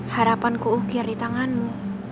harapan ku ukir di tanganmu